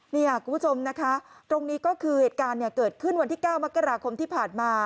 นี่คุณผู้ชมนะคะตรงนี้ก็คือเหตุการณ์เกิดขึ้นวันที่๙มกราคมที่ผ่านมา